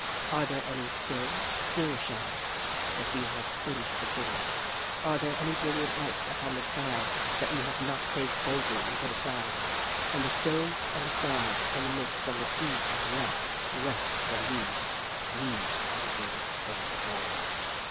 Are there any still, still shadows that we have cringed before? Are there any brilliant lights upon the sky that we have not faced boldly and put aside? And the stones and the stars and the mists on the sea are less less than we, we are the greatest things of all."